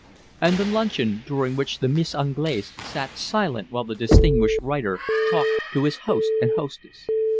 And the luncheon during which the Miss Anglaise sat silent while the distinguished writer talked to his host and hostess.